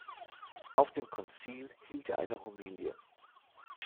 Auf dem Konzil hielt er eine Homilie.